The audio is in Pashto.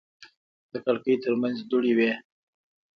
د کړکۍ ترمنځ دوړې وې.